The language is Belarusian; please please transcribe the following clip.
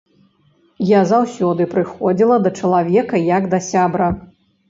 Я заўсёды прыходзіла да чалавека як да сябра.